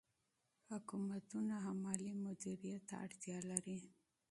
حکومتونه هم مالي مدیریت ته اړتیا لري.